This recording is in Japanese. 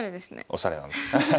おしゃれなんです。